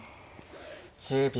１０秒。